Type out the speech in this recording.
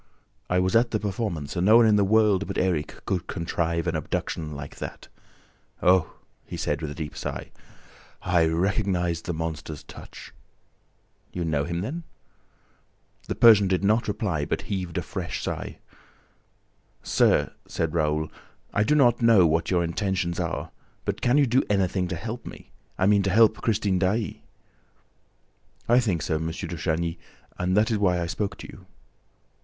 "I was at the performance and no one in the world but Erik could contrive an abduction like that! ... Oh," he said, with a deep sigh, "I recognized the monster's touch! ..." "You know him then?" The Persian did not reply, but heaved a fresh sigh. "Sir," said Raoul, "I do not know what your intentions are, but can you do anything to help me? I mean, to help Christine Daae?" "I think so, M. de Chagny, and that is why I spoke to you."